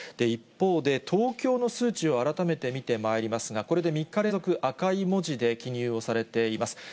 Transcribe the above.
一方で、東京の数値を改めて見てまいりますが、これで３日連続、赤い文字で記入をされています。